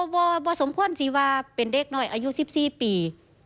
บสมควรศรีวาเป็นเด็กหน่อยอายุ๑๔ปี